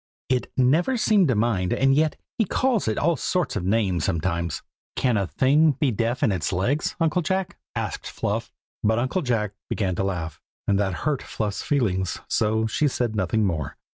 "It never seems to mind, and yet he calls it all sorts of names sometimes." "Can a thing be deaf in its legs, Uncle Jack?" asked Fluff. But Uncle Jack began to laugh, and that hurt Fluff's feelings, so she said nothing more.